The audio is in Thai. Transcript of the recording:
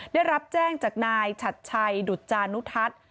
ได้รับแจ้งจากนายชัดชัยดุจานุทัศน์